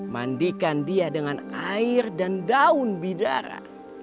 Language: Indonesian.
mandikan dia dengan air dan daun bidara